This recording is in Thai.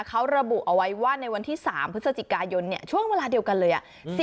เขาระบุเอาไว้ว่าในวันที่๓พฤศจิกายนช่วงเวลาเดียวกันเลย